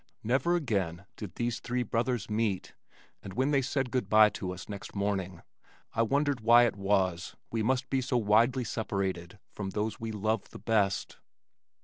Never again did these three brothers meet, and when they said good bye to us next morning, I wondered why it was, we must be so widely separated from those we loved the best.